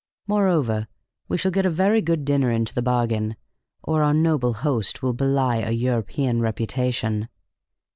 Moreover, we shall get a very good dinner into the bargain, or our noble host will belie a European reputation."